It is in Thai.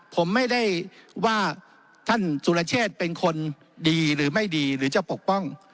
ผมไม่ได้ว่าท่านสุรเชษเป็นคนดีหรือไม่ดีหรือจะปกป้อง